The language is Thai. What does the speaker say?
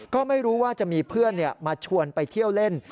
ก็ไม่รู้ว่าจะมีเพื่อนมาชวนไปเที่ยวเล่น